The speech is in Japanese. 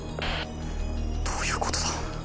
どういうことだ？